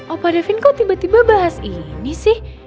opa davin kok tiba tiba bahas ini sih